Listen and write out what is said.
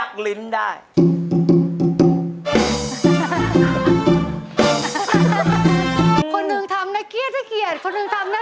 สวัสดีครับทุกวัย